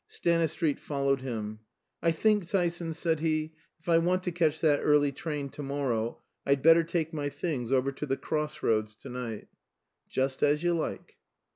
Stanistreet followed him. "I think, Tyson," said he, "if I want to catch that early train to morrow, I'd better take my things over to 'The Cross Roads' to night." "Just as you like."